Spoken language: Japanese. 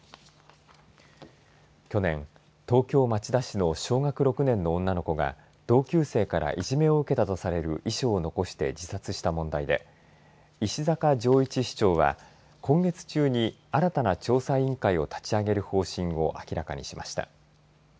去年、東京、町田市の小学６年の女の子が同級生から、いじめを受けたとされる遺書を残して自殺した問題で石阪丈一市長は今月中に新たな調査員会を立ち上げる方針を明らかにしました。